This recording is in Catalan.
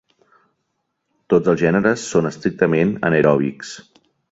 Tots els gèneres són estrictament anaeròbics.